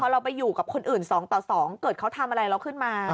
แต่พอเราไปอยู่กับคนอื่นสองต่อสองเกิดเขาทำอะไรแล้วขึ้นมา